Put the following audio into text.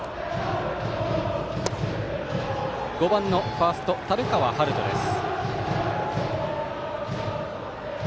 ５番のファースト、樽川遥人です。